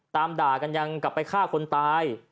ตามด่ากันยังกลับไปฆ่าคนตาย